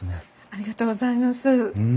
ありがとうございます。